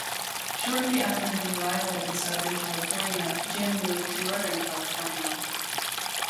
Shortly after his arrival in southern California Jim moved to northern California.